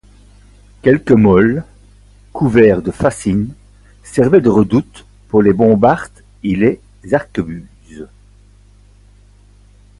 Quelques moles couverts de fascines servaient de redoute pour les bombardes et les arquebuses.